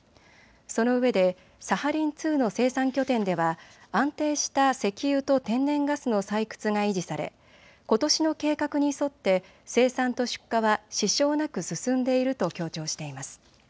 そのうえでサハリン２の生産拠点では安定した石油と天然ガスの採掘が維持されことしの計画に沿って生産と出荷は支障なく進んでいると強調しています。